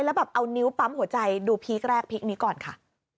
แล้วแบบเอานิ้วปั๊มหัวใจดูพีคแรกพีคนี้ก่อนค่ะ